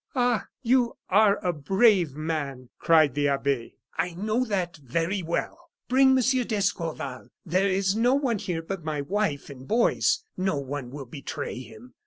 "Ah! you are a brave man!" cried the abbe. "I know that very well! Bring Monsieur d'Escorval. There is no one here but my wife and boys no one will betray him!"